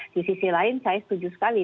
di sisi lain saya setuju sekali